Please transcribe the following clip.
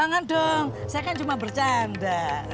jangan dong saya kan cuma bercanda